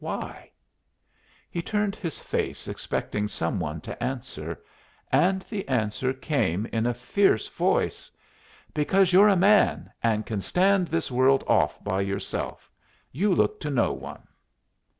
Why?" He turned his face, expecting some one to answer, and the answer came in a fierce voice: "Because you're a man, and can stand this world off by yourself. You look to no one."